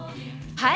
はい。